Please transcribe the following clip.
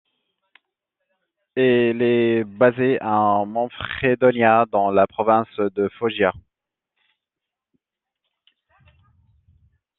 Il est basé à Manfredonia dans la Province de Foggia.